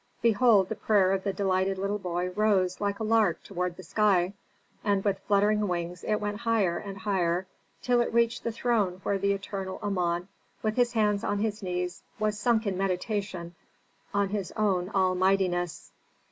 Behold the prayer of the delighted little boy rose, like a lark, toward the sky, and with fluttering wings it went higher and higher till it reached the throne where the eternal Amon with his hands on his knees was sunk in meditation on his own all mightiness.